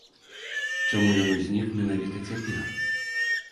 Чаму ён узнік менавіта цяпер?